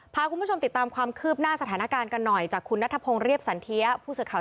พาคุณผู้ชมติดตามความคืบหน้าสถานการณ์กันหน่อยจากคุณนัทพงศ์เรียบสันเทียผู้สื่อข่าว